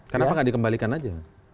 kenapa gak dikembalikan saja